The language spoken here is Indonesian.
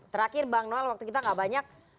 terakhir bang noel waktu kita gak banyak